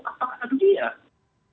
apakah itu dia